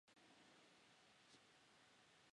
嗣后各省官电归邮传部。